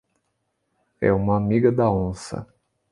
É uma amiga da onça